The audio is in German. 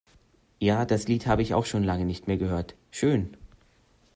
Ja, das Lied habe ich auch schon lange nicht mehr gehört. Schön!